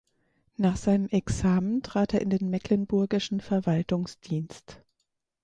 Nach seinem Examen trat er in den mecklenburgischen Verwaltungsdienst.